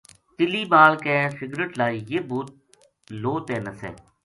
تِلی بال کے سگرٹ لائی یہ بھوت لو تے نسے۔